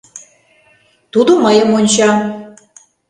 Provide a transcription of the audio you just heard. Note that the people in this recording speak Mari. Тудо мыйым онча.